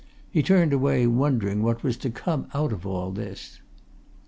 He turned away wondering what was to come out of all this.